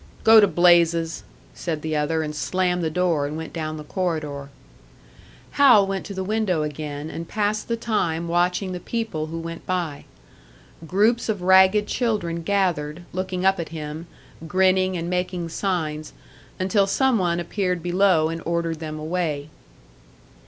"Go to blazes!" said the other, and slammed the door and went down the corridor. Hal went to the window again, and passed the time watching the people who went by. Groups of ragged children gathered, looking up at him, grinning and making signs until some one appeared below and ordered them away.